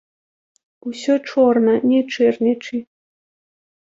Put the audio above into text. Усё чорна, не чэрнячы.